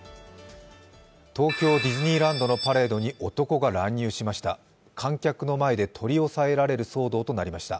東京ディズニーランドのパレードに男が乱入しました。